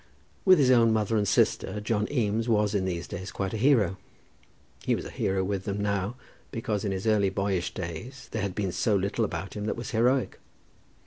With his own mother and sister, John Eames was in these days quite a hero. He was a hero with them now, because in his early boyish days there had been so little about him that was heroic.